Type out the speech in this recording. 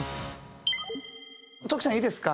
土岐さんいいですか？